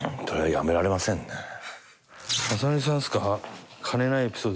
やめられませんね。